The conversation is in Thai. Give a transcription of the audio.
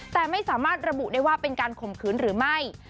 แต่ไม่สามารถระบุได้ว่าเป็นการข่มขืนหรือไม่